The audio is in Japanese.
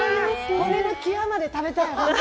骨の際まで食べたい。